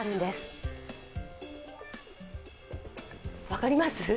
分かります？